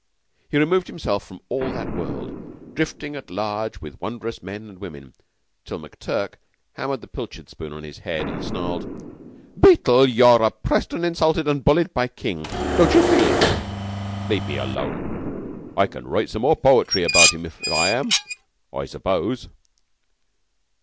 He removed himself from all that world, drifting at large with wondrous Men and Women, till McTurk hammered the pilchard spoon on his head and he snarled. "Beetle! You're oppressed and insulted and bullied by King. Don't you feel it?" "Let me alone! I can write some more poetry about him if I am, I suppose."